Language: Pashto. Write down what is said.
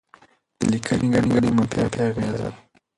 د لیکنې ګډوډي منفي اغېزه لري.